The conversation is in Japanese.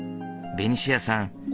ベニシアさん